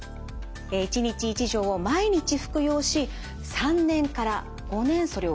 １日１錠を毎日服用し３年から５年それを継続します。